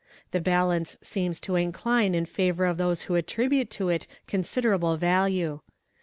The lance seems to incline in favour of those who attribute to it consider pble value.